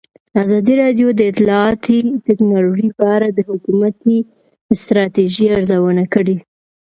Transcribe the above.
ازادي راډیو د اطلاعاتی تکنالوژي په اړه د حکومتي ستراتیژۍ ارزونه کړې.